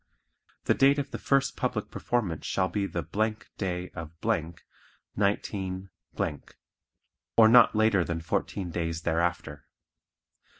The date of the first public performance shall be the day of , 19 , or not later than fourteen days thereafter.